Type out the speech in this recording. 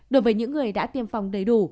đối với những người đã tiêm phòng đầy đủ